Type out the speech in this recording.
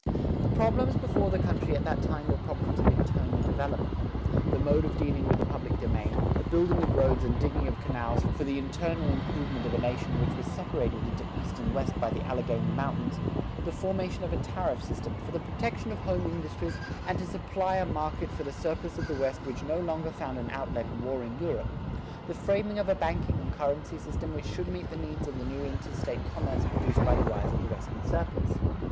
The problems before the country at that time were problems of internal development: the mode of dealing with the public domain; the building of roads and digging of canals for the internal improvement of a nation which was separated into East and West by the Alleghany Mountains; the formation of a tariff system for the protection of home industries and to supply a market for the surplus of the West which no longer found an outlet in warring Europe; the framing of a banking and currency system which should meet the needs of the new interstate commerce produced by the rise of the western surplus.